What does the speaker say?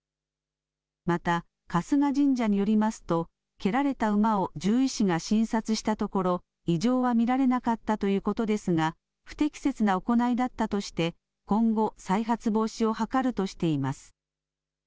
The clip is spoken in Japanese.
また、春日神社によりますと、蹴られた馬を獣医師が診察したところ、異常は見られなかったということですが、不適切な行いだったとして、今後、再発防止を図るとしています。